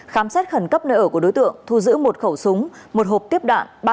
khám xét khẩn cấp nơi ở của đối tượng thu giữ một khẩu súng một hộp tiếp đạn